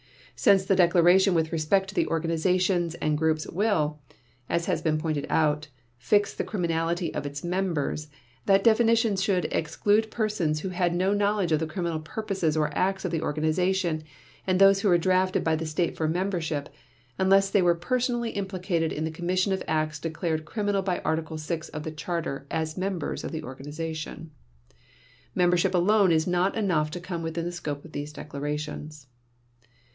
Since the declaration with respect to the organizations and groups will, as has been pointed out, fix the criminality of its members, that definition should exclude persons who had no knowledge of the criminal purposes or acts of the organization and those who were drafted by the State for membership, unless they were personally implicated in the commission of acts declared criminal by Article 6 of the Charter as members of the organization. Membership alone is not enough to come within the scope of these declarations.